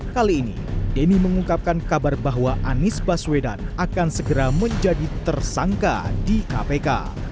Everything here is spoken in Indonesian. kali ini denny mengungkapkan kabar bahwa anies baswedan akan segera menjadi tersangka di kpk